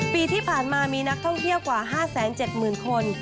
ปีที่ผ่านมามีนักท่องเที่ยวกว่า๕๗๐๐คน